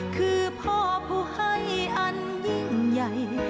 คือพ่อผู้ให้อันยิ่งใหญ่